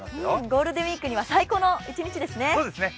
ゴールデンウイークには最高の一日ですね。